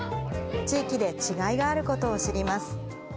地域で違いがあることを知ります。